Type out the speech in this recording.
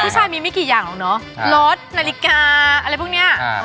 ผู้ชายมีไม่กี่อย่างหรอกเนอะรถนาฬิกาอะไรพวกเนี้ยอ่า